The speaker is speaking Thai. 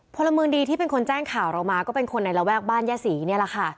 พลเมืองดีที่เป็นคนแจ้งข่าวเรามาก็เป็นคนในระแวกบ้านย่าศรีนี่แหละค่ะ